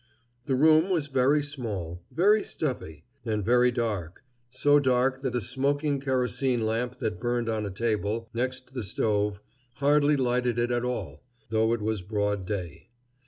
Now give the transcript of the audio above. The room was very small, very stuffy, and very dark, so dark that a smoking kerosene lamp that burned on a table next the stove hardly lighted it at all, though it was broad day.